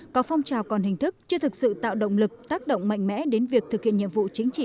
có phong trào còn hình thức chưa thực sự tạo động lực tác động mạnh mẽ đến việc thực hiện nhiệm vụ chính trị